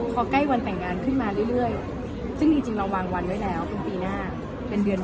พอใกล้วันแต่งงานขึ้นมาเรื่อยซึ่งจริงเราวางวันไว้แล้วเป็นปีหน้าเป็นเดือน